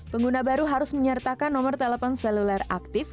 pengguna baru harus menyertakan nomor telepon seluler aktif